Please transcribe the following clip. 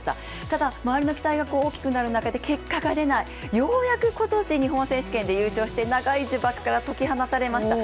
ただ、周りの期待が大きくなる中で結果が出ない、ようやく今年、日本選手権で優勝して長い呪縛から解き放たれました。